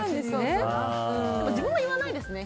自分は言わないですね